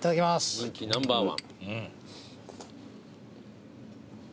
人気ナンバーワン。